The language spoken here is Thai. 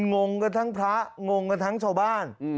งงกันทั้งพระงงกันทั้งชาวบ้าน